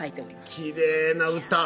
きれいな歌！